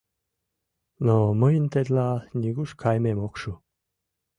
Но мыйын тетла нигуш каймем ок шу.